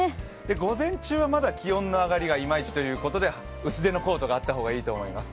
午前中はまだ気温の上がりがイマイチということで薄手のコートがあった方がいいと思います。